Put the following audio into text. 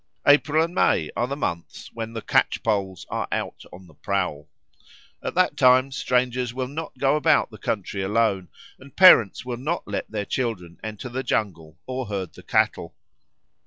April and May are the months when the catchpoles are out on the prowl. At that time strangers will not go about the country alone, and parents will not let their children enter the jungle or herd the cattle.